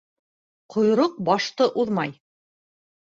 Ҡойроҡ башты уҙмай.